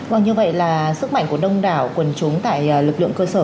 vâng như vậy là sức mạnh của đông đảo quần chúng tại lực lượng cơ sở